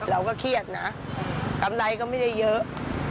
เราก็เครียดนะกำไรก็ไม่ได้เยอะ